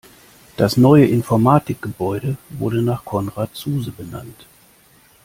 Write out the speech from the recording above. Das neue Informatikgebäude wurde nach Konrad Zuse benannt.